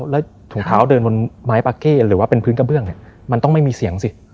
แล้วถุงเท้าเดินบนไม้ปาเก้หรือว่าเป็นพื้นกระเบื้องเนี่ยมันต้องไม่มีเสียงสิ